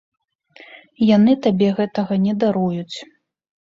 Яны табе гэтага не даруюць.